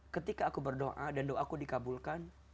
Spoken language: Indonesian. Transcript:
ketika aku berdoa dan doaku dikabulkan